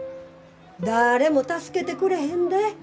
だれも助けてくれへんで？